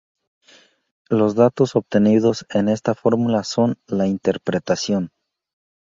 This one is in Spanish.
Los datos obtenidos en esta fórmula son la interpretación.